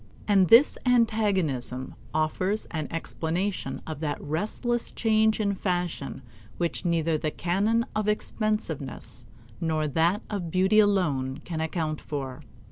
And this antagonism offers an explanation of that restless change in fashion which neither the canon of expensiveness nor that of beauty alone can account for.